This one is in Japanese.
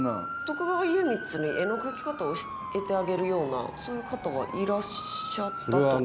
徳川家光に絵の描き方を教えてあげるようなそういう方はいらっしゃったと？